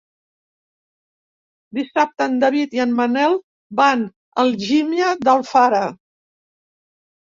Dissabte en David i en Manel van a Algímia d'Alfara.